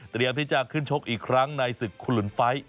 เตรียมที่จะขึ้นชกอีกครั้งในศึกคุลุนไฟท์